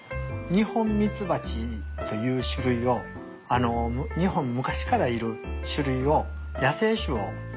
ニホンミツバチという種類を日本に昔からいる種類を野生種をうちは飼育してます。